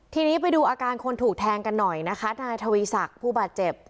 ทีนี้ไปดูอาการคนถูกแทงกันหน่อยนะคะนายทวีศักดิ์ผู้บาดเจ็บ